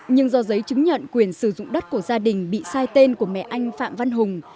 nhưng do giấy chứng nhận quyền sử dụng đất của gia đình bị sai tên của mẹ anh phạm văn hùng